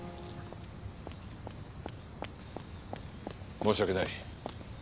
申し訳ない。